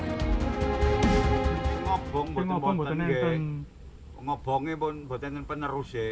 ngomong buatan ini ngomongnya pun buatan ini penerus ya